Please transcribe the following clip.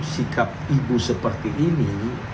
sikap ibu seperti ini